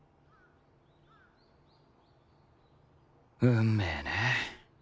運命ね